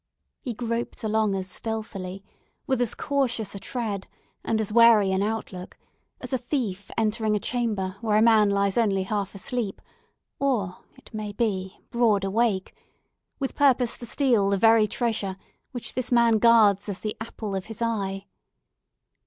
He groped along as stealthily, with as cautious a tread, and as wary an outlook, as a thief entering a chamber where a man lies only half asleep—or, it may be, broad awake—with purpose to steal the very treasure which this man guards as the apple of his eye.